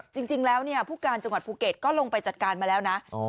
จริงแล้วผู้การจังหวัดภูเก็ตก็ลงไปจัดการมาแล้วนะ